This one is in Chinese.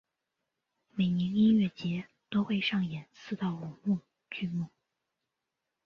每年音乐节都会上演四到五幕剧目。